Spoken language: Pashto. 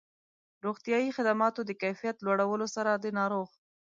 روغتیایي خدماتو د کيفيت لوړولو سره د ناروغ